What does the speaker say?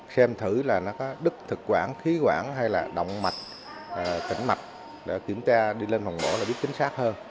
xem thử là nó có đức thực quản khí quản hay là động mạch tỉnh mạch để kiểm tra đi lên phòng mổ là biết chính xác hơn